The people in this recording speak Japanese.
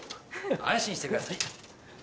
安心してください。